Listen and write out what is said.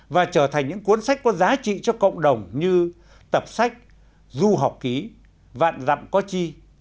và trở thành những cuốn sách có giá trị cho cộng đồng như tập sách du học ký vạn dặm có chi